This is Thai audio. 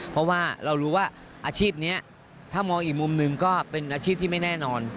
เพราะว่าเรารู้ว่าอาชีพนี้ถ้ามองอีกมุมหนึ่งก็เป็นอาชีพที่ไม่แน่นอน